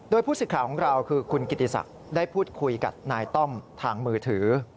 โดยผู้สิทธิ์ข่าวของเราคือคุณกิติศักดิ์ได้พูดคุยกับนายต้อมทางมือถือ